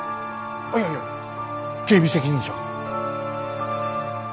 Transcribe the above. いやいや警備責任者が？